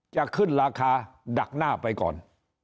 จะขึ้นราคาดักหน้าไปก่อน